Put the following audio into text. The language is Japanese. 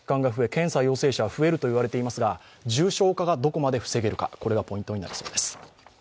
検査陽性者は増えると言われていますが、重症化がどこまで防げるかこれがポイントになりそうです。